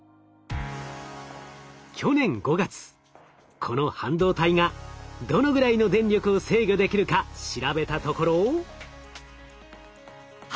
去年５月この半導体がどのぐらいの電力を制御できるか調べたところ。